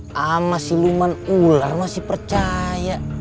hamas siluman ular masih percaya